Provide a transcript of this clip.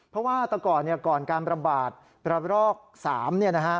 เพราะว่าตอนก่อนก่อนการประบาดประบาด๓